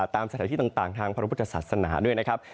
ตามสถานที่ต่างทางพระพุทธศาสนาด้วยนะครับ